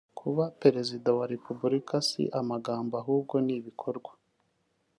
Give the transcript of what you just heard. kuba perezida wa repeburika si amagambo ahubwo ni ibikorwa